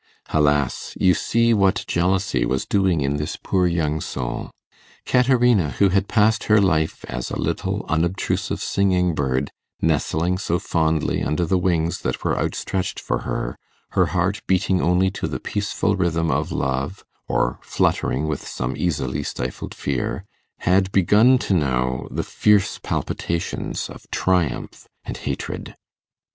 Alas! you see what jealousy was doing in this poor young soul. Caterina, who had passed her life as a little unobtrusive singing bird, nestling so fondly under the wings that were outstretched for her, her heart beating only to the peaceful rhythm of love, or fluttering with some easily stifled fear, had begun to know the fierce palpitations of triumph and hatred.